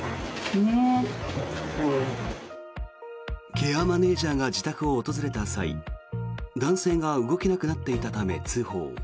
ケアマネジャーが自宅を訪れた際男性が動けなくなっていたため通報。